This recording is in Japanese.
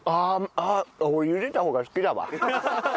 あっ俺ゆでた方が好きだわ。